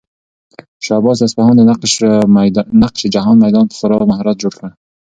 شاه عباس د اصفهان د نقش جهان میدان په خورا مهارت جوړ کړ.